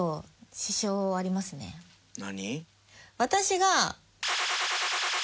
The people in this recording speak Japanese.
何？